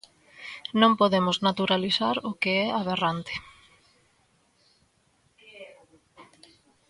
Non podemos naturalizar o que é aberrante.